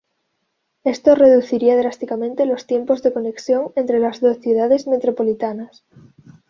Esto reduciría drásticamente los tiempos de conexión entre las dos ciudades metropolitanas.